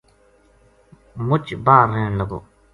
مُچ باہر رہن لگو